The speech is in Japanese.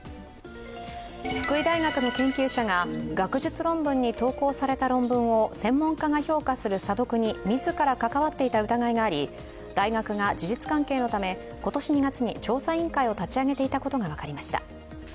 福井大学の研究者が学術論文に投稿された論文を専門家が評価する査読に自ら関わっていた疑いがあり、大学が事実確認のため、今年２月に調査委員会を立ち上げていたことが分かりました。